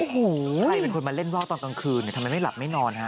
โอ้โหใครเป็นคนมาเล่นว่าวตอนกลางคืนทำไมไม่หลับไม่นอนฮะ